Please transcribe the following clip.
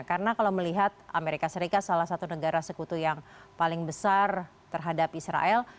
karena kalau melihat amerika serikat salah satu negara sekutu yang paling besar terhadap israel